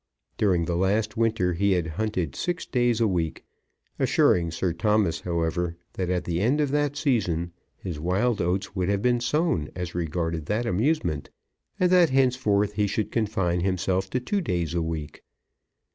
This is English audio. During the last winter he had hunted six days a week, assuring Sir Thomas, however, that at the end of that season his wild oats would have been sown as regarded that amusement, and that henceforth he should confine himself to two days a week.